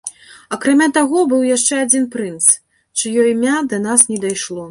Акрамя таго, быў яшчэ адзін прынц, чыё імя да нас не дайшло.